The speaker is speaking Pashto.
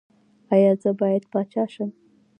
ایا زه باید پاچا شم؟